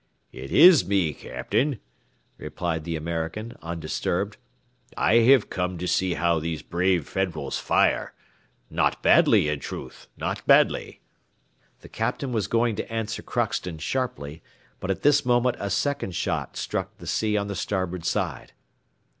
"It is me, Captain," replied the American, undisturbed. "I have come to see how these brave Federals fire; not badly, in truth, not badly." The Captain was going to answer Crockston sharply, but at this moment a second shot struck the sea on the starboard side.